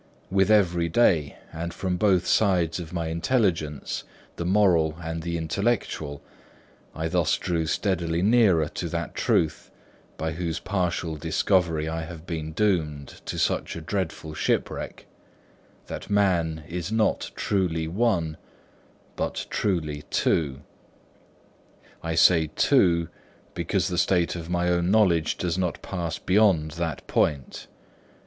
With every day, and from both sides of my intelligence, the moral and the intellectual, I thus drew steadily nearer to that truth, by whose partial discovery I have been doomed to such a dreadful shipwreck: that man is not truly one, but truly two. I say two, because the state of my own knowledge does not pass beyond that point.